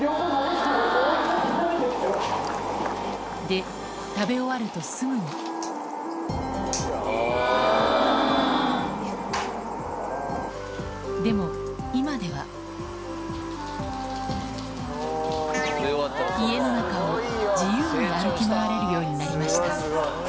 で食べ終わるとすぐにでも今では家の中を自由に歩き回れるようになりました